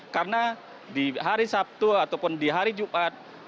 karena di hari sabtu ataupun di hari jumat